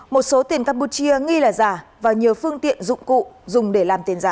một số tiền campuchia nghi là giả và nhiều phương tiện dụng cụ dùng để làm tiền giả